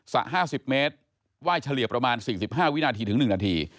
๕๐เมตรไหว้เฉลี่ยประมาณ๔๕วินาทีถึง๑นาที